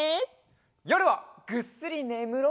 よるはぐっすりねむろう！